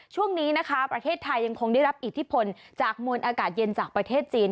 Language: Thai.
ช่วงนี้นะคะประเทศไทยยังคงได้รับอิทธิพลจากมวลอากาศเย็นจากประเทศจีน